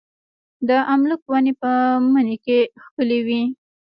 د املوک ونې په مني کې ښکلې وي.